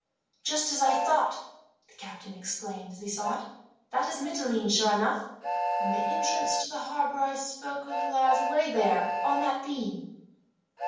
"Just as I thought," the captain exclaimed as he saw it. "That is Mitylene, sure enough, and the entrance to the harbour I spoke of lies away there on that beam."